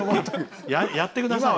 やってください。